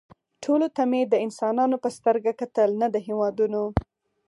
ټولو ته مې د انسانانو په سترګه کتل نه د هېوادونو